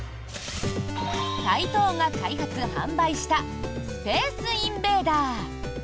タイトーが開発・販売した「スペースインベーダー」。